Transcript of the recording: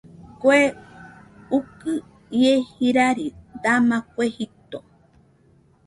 Kue ukɨ ie jirari dama kue jito.